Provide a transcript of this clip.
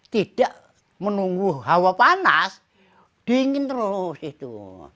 tidak menunggu hawa panas dingin terus itu